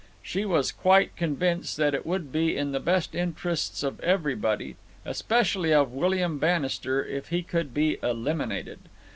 She was quite convinced that it would be in the best interests of everybody, especially of William Bannister, if he could be eliminated.